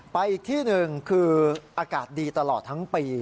อีกที่หนึ่งคืออากาศดีตลอดทั้งปี